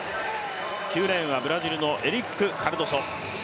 ９レーンはブラジルのエリック・カルドソ。